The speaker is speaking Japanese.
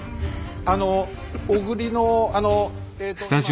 あの小栗のあのえと